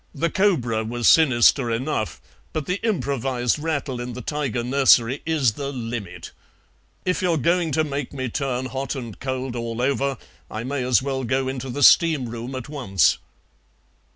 "The cobra was sinister enough, but the improvised rattle in the tiger nursery is the limit. If you're going to make me turn hot and cold all over I may as well go into the steam room at once."